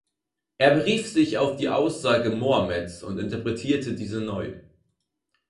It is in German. Er berief sich auf die Aussage Mohammeds und interpretierte diese neu.